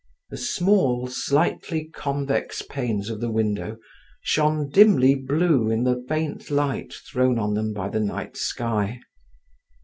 The small slightly convex panes of the window shone dimly blue in the faint light thrown on them by the night sky.